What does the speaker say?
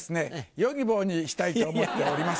ヨギボーにしたいと思っております